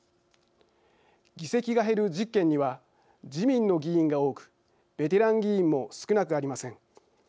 議席が減る１０県には自民の議員が多くベテラン議員も少なくありません。